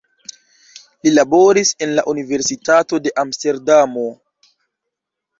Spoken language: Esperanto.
Li laboris en la universitato de Amsterdamo.